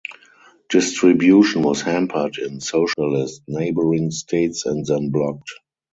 Distribution was hampered in "socialist" neighbouring states and then blocked.